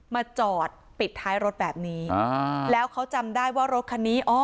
มาจอดปิดท้ายรถแบบนี้แล้วเขาจำได้ว่ารถคันนี้อ๋อ